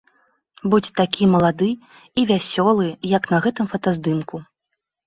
Будзь такі малады і вясёлы, як на гэтым фотаздымку.